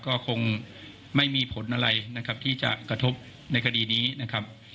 ก็คงไม่มีผลอะไรนะครับที่จะกระทบในคดีนี้นะครับ